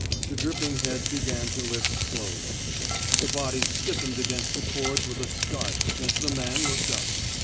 The dripping head began to lift slowly. The body stiffened against the cords with a start as the man looked up.